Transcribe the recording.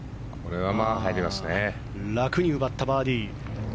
楽に奪ったバーディー。